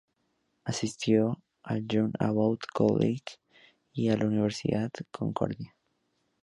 Asistió al John Abbott College y a la Universidad Concordia.